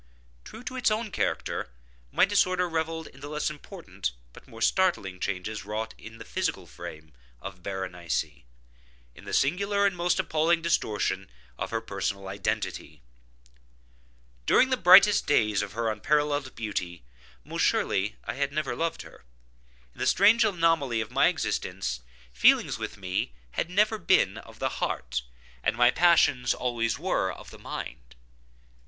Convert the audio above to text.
True to its own character, my disorder revelled in the less important but more startling changes wrought in the physical frame of Berenice—in the singular and most appalling distortion of her personal identity. During the brightest days of her unparalleled beauty, most surely I had never loved her. In the strange anomaly of my existence, feelings with me, had never been of the heart, and my passions always were of the mind.